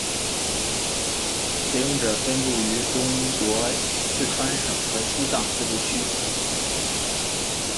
使用者分布于中国四川省和西藏自治区。